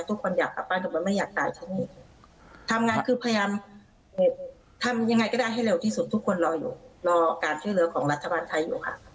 ทุกคนอยากกลับบ้านทุกคนไม่อยากจ่ายเท่านี้ทำงานคือพยายามทำยังไงก็ได้ให้เร็วที่สุดทุกคนรออยู่รอการช่วยเหลือของรัฐบาลไทยอยู่ค่ะ